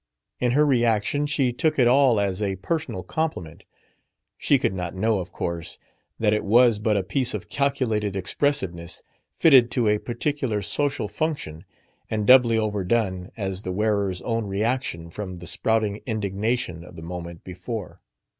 In her reaction she took it all as a personal compliment. She could not know, of course, that it was but a piece of calculated expressiveness, fitted to a 'particular social function and doubly overdone as the wearer's own reaction from the sprouting indignation of the moment before.